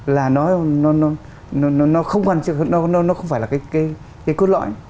là nó không phải là cái cốt lõi